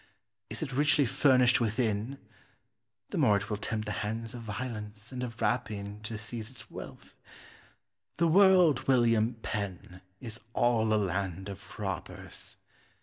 Is it richly furnished within? the more it will tempt the hands of violence and of rapine to seize its wealth. The world, William Penn, is all a land of robbers.